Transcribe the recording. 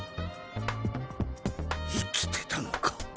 生きてたのか！？